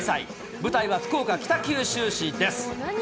舞台は福岡・北九州市です。